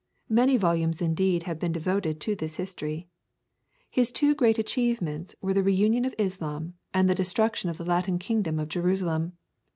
Many volumes indeed have been devoted to this history. His two great achievements were the reunion of Islam and the destruction of the Latin kingdom of Jerusalem.